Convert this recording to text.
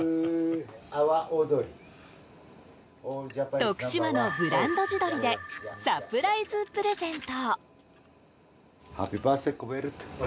徳島のブランド地鶏でサプライズプレゼント！